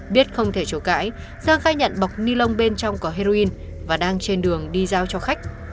biết không thể chổ cãi giang khai nhận bọc ni lông bên trong có heroin và đang trên đường đi giao cho khách